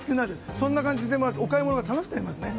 そんな感じでお買い物が楽しくなりますね。